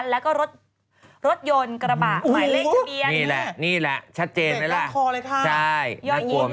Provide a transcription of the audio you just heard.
แล้วก็รถยนต์กระบะหมายเลขทะเบียนนี่แหละนี่แหละชัดเจนไหมล่ะเสร็จแล้วคอเลยค่ะใช่น่ากลัวไหมล่ะ